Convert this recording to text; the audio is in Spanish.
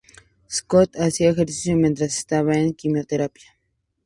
Scott, hacia ejercicio mientras estaba en quimioterapia.